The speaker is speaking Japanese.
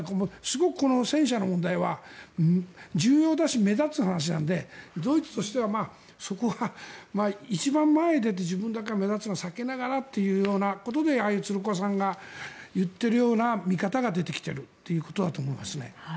この戦車の問題は重要だし、目立つ話なのでドイツとしてはそこは一番前へ出て自分だけが目立つのは避けながらということでああいう、鶴岡さんが言っているような見方が出てきているということだと思います。